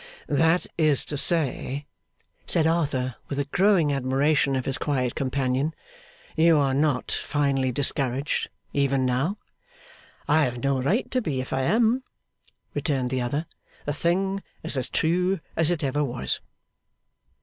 'That is to say,' said Arthur, with a growing admiration of his quiet companion, 'you are not finally discouraged even now?' 'I have no right to be, if I am,' returned the other. 'The thing is as true as it ever was.